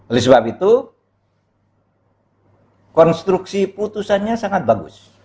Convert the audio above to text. oleh sebab itu konstruksi putusannya sangat bagus